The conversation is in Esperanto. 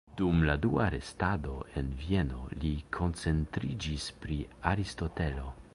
Dum la dua restado en Vieno li koncentriĝis pri Aristotelo.